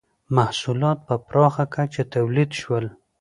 • محصولات په پراخه کچه تولید شول.